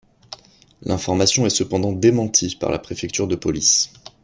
L'information est cependant démentie par la préfecture de police.